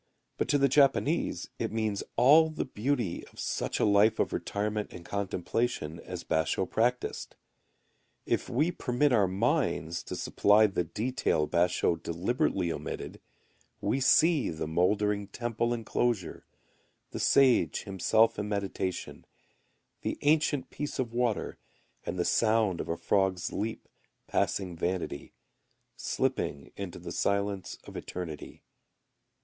But to the Japanese it means all the beauty of such a life of retirement and contemplation as Basho[u] practised. If we permit our minds to supply the detail Basho[u] deliberately omitted, we see the mouldering temple enclosure, the sage himself in meditation, the ancient piece of water, and the sound of a frog's leap passing vanity slipping into the silence of eternity.